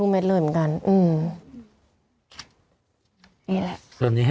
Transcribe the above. ผู้ต้องหาที่ขับขี่รถจากอายานยนต์บิ๊กไบท์